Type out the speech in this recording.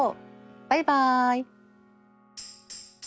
バイバイ。